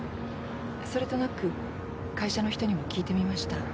それとなく会社の人にも聞いてみました。